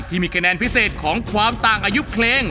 ที่มีคะแนนพิเศษของความต่างอายุเพลง